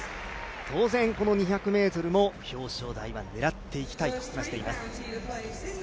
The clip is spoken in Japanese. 当然、この２００ｍも表彰台は狙っていきたいと話しています。